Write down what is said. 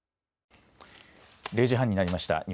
０時半になりました。